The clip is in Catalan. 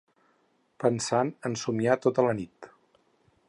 Pensant en somiar tota la nit.